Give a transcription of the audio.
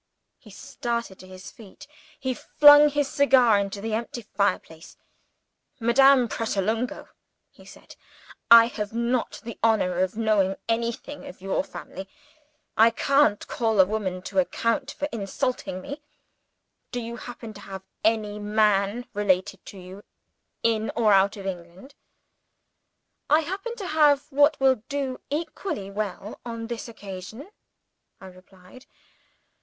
_" He started to his feet, and flung his cigar into the empty fireplace. "Madame Pratolungo," he said, "I have not the honor of knowing anything of your family. I can't call a woman to account for insulting me. Do you happen to have any man related to you, in or out of England?" "I happen to have what will do equally well on this occasion," I replied.